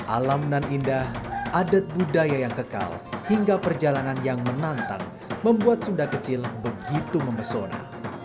alam nan indah adat budaya yang kekal hingga perjalanan yang menantang membuat sunda kecil begitu memesona